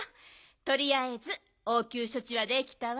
とりあえずおうきゅうしょちはできたわ。